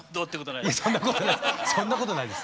そんなことないです